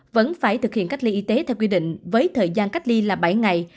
vẫn phải thực hiện cách ly y tế theo quy định với thời gian cách ly là bảy ngày